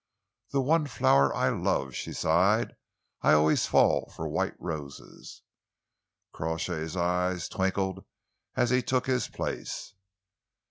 "The one flower I love," she sighed. "I always fall for white roses." Crawshay's eyes twinkled as he took his place.